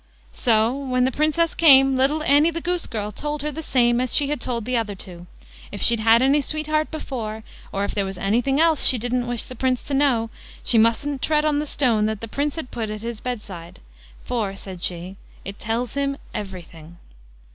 So when the Princess came, little Annie the goose girl told her the same as she had told the other two, if she'd had any sweetheart before, or if there was anything else she didn't wish the Prince to know, she mustn't tread on the stone that the Prince had put at his bedside; for, said she: "It tells him everything."